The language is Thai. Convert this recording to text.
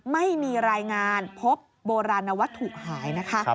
ไม่มีรายงานพบโบราณวัตถุหายนะคะ